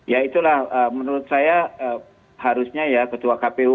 ya itulah menurut saya harusnya ya ketua kpu